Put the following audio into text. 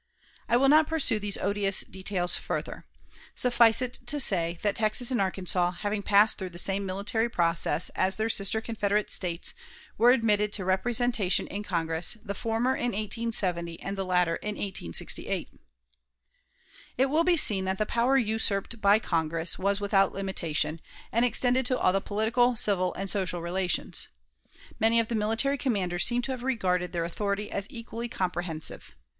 I will not pursue these odious details further. Suffice it to say that Texas and Arkansas, having passed through the same military process as their sister Confederate States, were admitted to representation in Congress, the former in 1870 and the latter in 1868. It will be seen that the power usurped by Congress was without a limitation, and extended to all the political, civil, and social relations. Many of the military commanders seem to have regarded their authority as equally comprehensive.